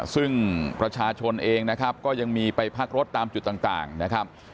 ซึ่งประชาชนเองนะครับก็ยังมีไปพักรถตามจุดต่างนะครับ